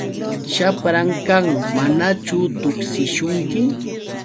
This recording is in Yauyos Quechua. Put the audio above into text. Shapran kan. ¿Manachu tuksishunki?